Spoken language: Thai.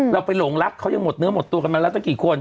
เราไปหลงรักเขายังหมดเนื้อหมดตัวกันมาแล้วตั้งกี่คน